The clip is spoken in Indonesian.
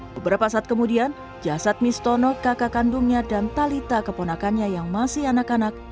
beberapa saat kemudian jasad mistono kakak kandungnya dan talitha keponakannya yang masih anak anak